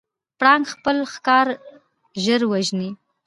پړانګ خپل ښکار ژر وژني.